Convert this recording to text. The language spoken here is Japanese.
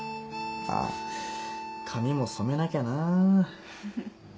あっ髪も染めなきゃな。